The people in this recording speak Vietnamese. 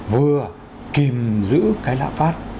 vừa kìm giữ cái lạ phát